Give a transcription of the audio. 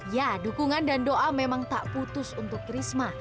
ya dukungan dan doa memang tak putus untuk risma